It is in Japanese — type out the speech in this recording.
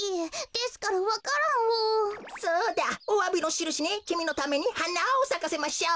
そうだおわびのしるしにきみのためにはなをさかせましょう。